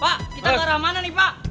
pak kita ke arah mana nih pak